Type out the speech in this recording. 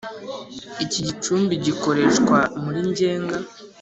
iki gicumbi gikoreshwa muri ngenga